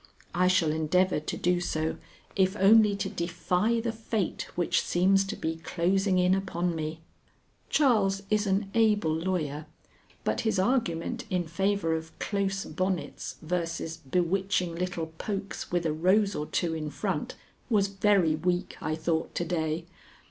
I shall endeavor to do so if only to defy the fate which seems to be closing in upon me. Charles is an able lawyer, but his argument in favor of close bonnets versus bewitching little pokes with a rose or two in front, was very weak, I thought, to day.